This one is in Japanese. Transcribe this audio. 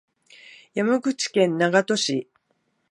山口県長門市